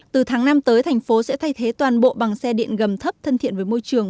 từ tháng năm tới thành phố sẽ thay thế toàn bộ bằng xe điện ngầm thấp thân thiện với môi trường